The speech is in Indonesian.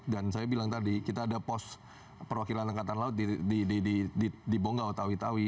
dan saya bilang tadi kita ada pos perwakilan angkatan laut di bonggau tawi tawi